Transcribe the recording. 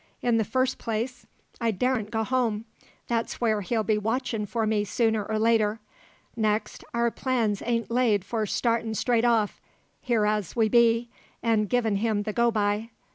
In the first place, I daren't go home; that's where he'll be watchin' for me sooner or later. Next, our plans ain't laid for startin' straight off here as we be an' givin' him the go by.